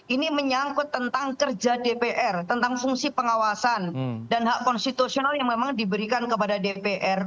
ini menyangkut tentang kerja dpr tentang fungsi pengawasan dan hak konstitusional yang memang diberikan kepada dpr